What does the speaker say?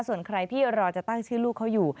ส่วนใครที่รอจะตั้งชื่อลูกเขาอยู่